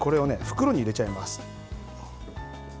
袋に入れちゃいます。